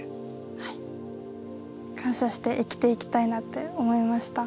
はい。感謝して生きていきたいなって思いました。